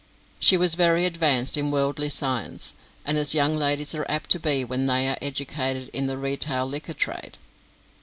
She was very advanced in wordly science, as young ladies are apt to be when they are educated in the retail liquor trade.